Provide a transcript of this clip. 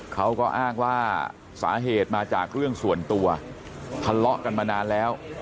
เขาก็อ้างว่าสาเหตุมาจากเรื่องส่วนตัวทะเลาะกันมานานแล้ว